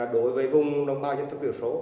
đối với vùng đồng bào nhân thức thử số